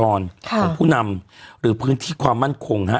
อนค่ะของผู้นำหรือพื้นที่ความมั่นคงฮะ